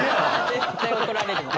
絶対怒られるわ。